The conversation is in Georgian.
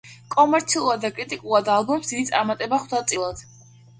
კომერციულად და კრიტიკულად ალბომს დიდი წარმატება ხვდა წილად.